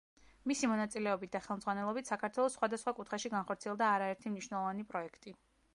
მისი მონაწილეობით და ხელმძღვანელობით საქართველოს სხვა და სხვა კუთხეში განხორციელდა არა ერთი მნიშვნელოვანი პროექტი.